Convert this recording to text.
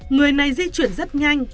người này di chuyển rất nhanh